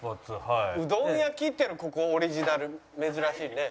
うどん焼っていうのはここオリジナル珍しいね。